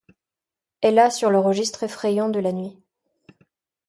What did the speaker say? Est là sur le registre effrayant de la nuit ;